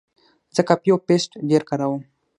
زه کاپي او پیسټ ډېر کاروم.